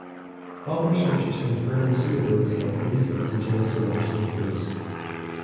Other sources confirm the suitability of these and suggest some additional foods.